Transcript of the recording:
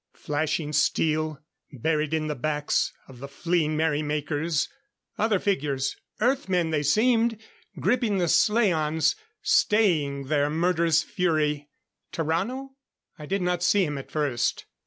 Flashing steel, buried in the backs of the fleeing merry makers. Other figures Earth men they seemed gripping the slaans, staying their murderous fury. Tarrano? I did not see him at first.